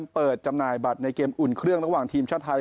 จำหน่ายบัตรในเกมอุ่นเครื่องระหว่างทีมชาติไทย